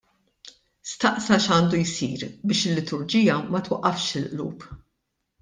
Staqsa x'għandu jsir biex il-liturġija ma twaqqafx il-qlub.